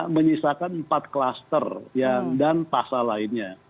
menyesakan empat cluster dan pasal lainnya